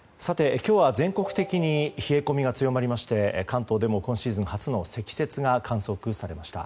今日は全国的に冷え込みが強まりまして関東でも今シーズン初の積雪が観測されました。